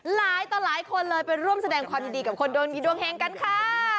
หลายต่อหลายคนเลยไปร่วมแสดงความยินดีกับคนดวงดีดวงเฮงกันค่ะ